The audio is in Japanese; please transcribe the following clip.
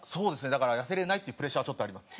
だから痩せられないってプレッシャーはちょっとあります。